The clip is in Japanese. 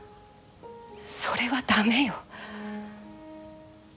それは駄目よ。